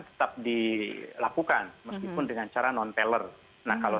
berdiri adalah wajib hebbenancy kontras berburu